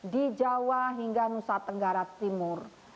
di jawa hingga nusa tenggara timur